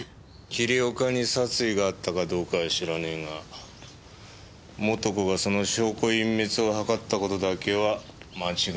桐岡に殺意があったかどうかは知らねえが素子がその証拠隠滅を図った事だけは間違いねえな。